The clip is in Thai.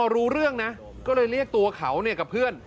รู้เรื่องนะก็เลยเรียกตัวเขากับเพื่อน